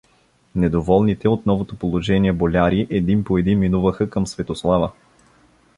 Недоволните от новото положение боляри един по един минуваха към Светослава.